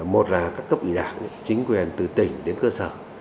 một là các cấp ủy đảng chính quyền từ tỉnh đến cơ sở